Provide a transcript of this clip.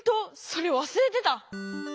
それわすれてた！